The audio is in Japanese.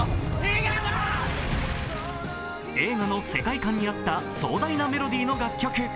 映画の世界観に合った壮大なメロディーの楽曲。